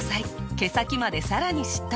毛先までさらにしっとり。